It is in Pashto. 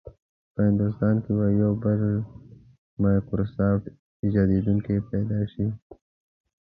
په هندوستان کې به یو بل مایکروسافټ ایجادونکی پیدا شي.